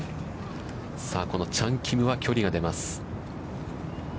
さあ、このチャン・キムは距離が出ます。